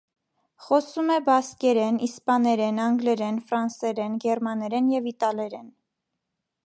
Խոսում է բասկերեն, իսպաներեն, անգլերեն, ֆրանսերեն, գերմաներեն և իտալերեն։